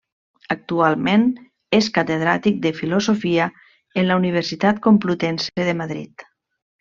Actualment és catedràtic de Filosofia en la Universitat Complutense de Madrid.